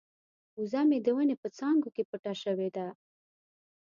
وزه مې د ونې په څانګو کې پټه شوې ده.